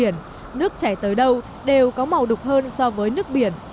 nước chảy tới đâu đều có màu đục hơn so với nước biển